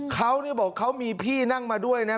เขานี่บอกเขามีพี่นั่งมาด้วยนะ